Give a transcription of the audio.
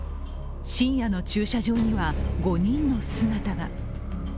深夜の駐車場には５人の姿が。